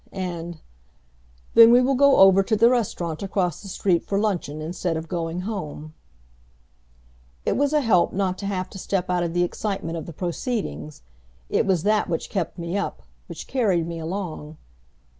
And, "Then we will go over to the restaurant across the street for luncheon instead of going home." It was a help not to have to step out of the excitement of the proceedings. It was that which kept me up, which carried me along.